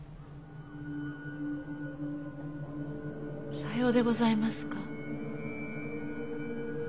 さようでございますか。